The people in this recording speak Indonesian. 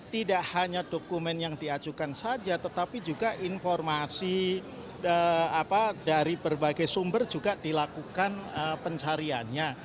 tidak hanya dokumen yang diajukan saja tetapi juga informasi dari berbagai sumber juga dilakukan pencariannya